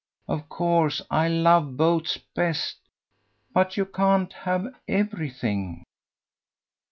Of course I love boats best, but you can't have everything."